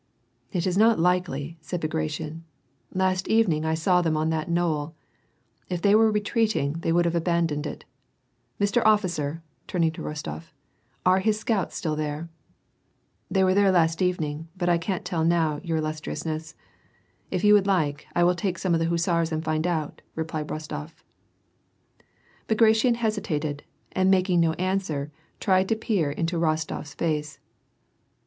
" It is not likely," said Bagration. " Last evening I saw them on that knoll ; if they were retreating they would have abandoned it Mr. Officer," turning to Rostof, " are his scouts still there ?"" They were there last evening, but I can't tell now, your illustriousness. If you would like, I will take some of the hussars and find out," replied Rostof. Bagration hesitated, and making no answer, tried to peer in to Rostof's face.